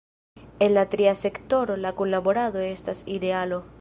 En la tria sektoro la kunlaborado estas idealo.